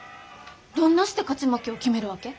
どんなして勝ち負けを決めるわけ？